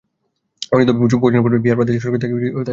অযোধ্যায় পৌঁছানোর পূর্বে বিহার প্রাদেশিক সরকার তাকে গ্রেফতার করে।